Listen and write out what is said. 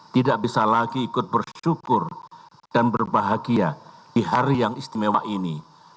tidak bisa lagi ikut bersyukur dan berbahagia di hari yang istimewa ini